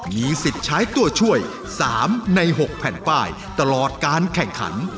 มีสิทธิ์ใช้ตัวช่วย๓ใน๖แผ่นป้ายตลอดการแข่งขัน